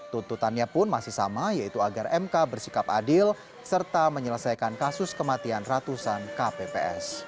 tuntutannya pun masih sama yaitu agar mk bersikap adil serta menyelesaikan kasus kematian ratusan kpps